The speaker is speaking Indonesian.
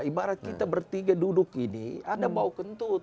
ibarat kita bertiga duduk ini ada bau kentut